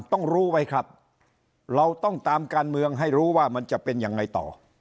ต้องรู้ไว้ครับเราต้องตามการเมืองให้รู้ว่ามันจะเป็นยังไงต่อ